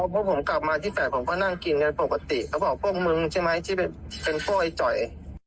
พวกผมกลับมาที่๘ผมก็นั่งกินกันปกติเขาบอกพวกมึงใช่ไหมที่เป็นพวกไอ้จ่อย